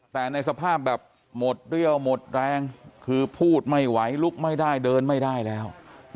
แต่ในสภาพแบบหมดเรี่ยวหมดแรงคือพูดไม่ไหวลุกไม่ได้เดินไม่ได้แล้ว